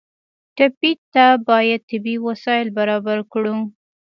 ټپي ته باید طبي وسایل برابر کړو.